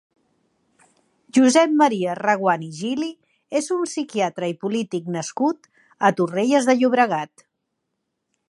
Josep Maria Reguant i Gili és un psiquiatre i polític nascut a Torrelles de Llobregat.